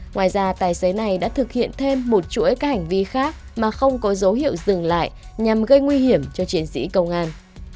ngoài ra tài xế này đã thực hiện thêm một chuỗi các hành vi khác mà không có dấu hiệu dừng lại nhằm gây nguy hiểm cho chiến sĩ công an